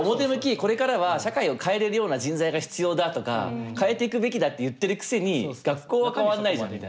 これからは社会を変えれるような人材が必要だとか変えていくべきだって言ってるくせに学校は変わんないじゃん。